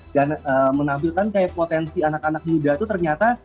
dan menampilkan kayak potensi anak anak muda itu ternyata